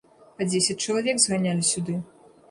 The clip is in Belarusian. Па дзесяць чалавек зганялі сюды.